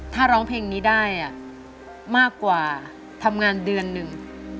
ถ้าร้องเพลงนี้ได้มากกว่าทำงานเดือนหนึ่ง